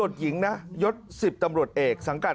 ชายไม่มีนะ